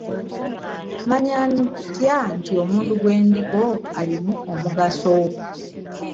Mmanya ntya nti omuntu gwe ndiko alimu amugaso?